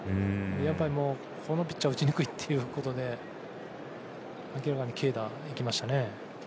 やはり、このピッチャー打ちにくいということで軽打にいきましたね。